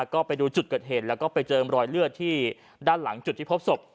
ก็ไปดูจุดเกิดเหตุแล้วก็ไปเจอรอยเลือดที่ด้านหลังจุดที่พบศพ